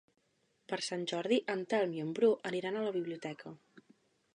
Per Sant Jordi en Telm i en Bru aniran a la biblioteca.